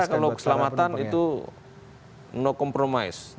ya saya kira kalau keselamatan itu no compromise